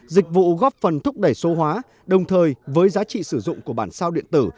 dịch vụ góp phần thúc đẩy số hóa đồng thời với giá trị sử dụng của bản sao điện tử